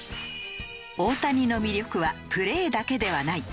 大谷の魅力はプレーだけではない。